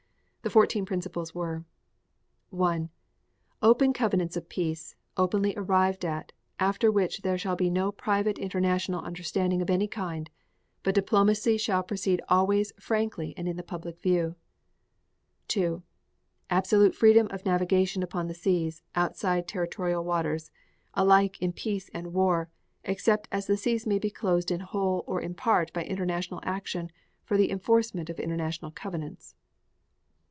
The fourteen principles were: 1. Open covenants of peace, openly arrived at, after which there shall be no private international understanding of any kind, but diplomacy shall proceed always frankly and in the public view. 2. Absolute freedom of navigation upon the seas, outside territorial waters, alike in peace and war, except as the seas may be closed in whole or in part by international action for the enforcement of international covenants.